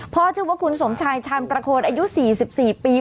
ชื่อว่าคุณสมชายชาญประโคนอายุ๔๔ปี